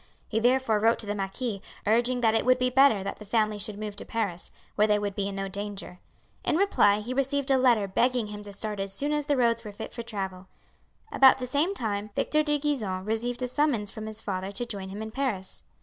He therefore wrote to the marquis urging that it would be better that the family should move to Paris, where they would be in no danger. In reply he received a letter begging him to start as soon as the roads were fit for travel. About the same time Victor de Gisons received a summons from his father to join him in Paris.